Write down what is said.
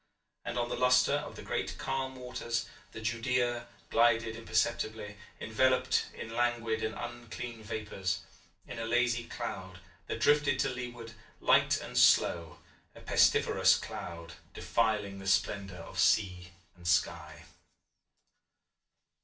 And on the luster of the great calm waters the Judea glided imperceptibly, enveloped in languid and unclean vapours, in a lazy cloud that drifted to leeward, light and slow: a pestiferous cloud defiling the splendour of sea and sky.